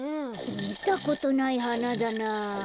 みたことないはなだなあ。